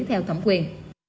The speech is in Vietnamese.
theo thẩm quyền